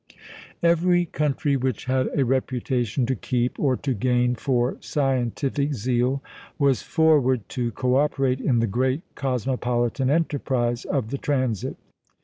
Every country which had a reputation to keep or to gain for scientific zeal was forward to co operate in the great cosmopolitan enterprise of the transit.